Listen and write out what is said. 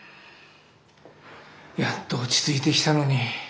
やっと落ち着いてきたのに。